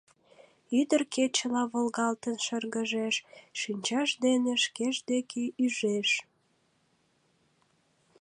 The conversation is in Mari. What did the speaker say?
Ӱдыр кечыла волгалтын шыргыжеш, шинчаж дене шкеж деке ӱжеш.